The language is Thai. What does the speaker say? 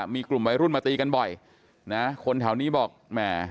มีกลุ่มวัยรุ่นมาตีกันบ่อยนะคนแถวนี้บอกแหม